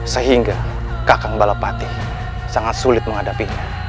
sehingga kakang balapati sangat sulit menghadapinya